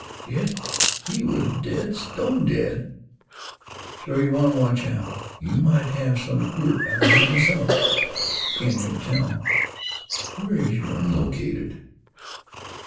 Yes, he was dead stone dead. So, yeh wanta watch out. Yeh might have some queer kind 'a hurt yerself. Yeh can't never tell. Where is your'n located?"